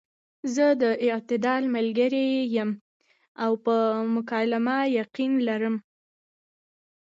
زۀ د اعتدال ملګرے يم او پۀ مکالمه يقين لرم -